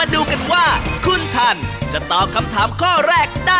ไม่มีแล้วยางยุ่งอันนี้ถูกสุด